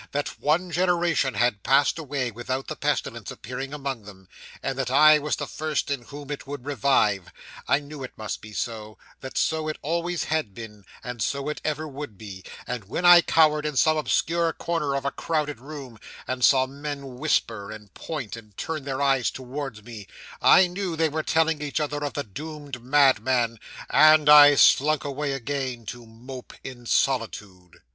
that one generation had passed away without the pestilence appearing among them, and that I was the first in whom it would revive. I knew it must be so: that so it always had been, and so it ever would be: and when I cowered in some obscure corner of a crowded room, and saw men whisper, and point, and turn their eyes towards me, I knew they were telling each other of the doomed madman; and I slunk away again to mope in solitude.